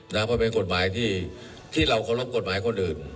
เพราะเป็นกฎหมายที่เราเคารพกฎหมายคนอื่น